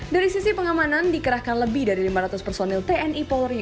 dari sisi pengamanan dikerahkan lebih dari lima ratus personil tni polri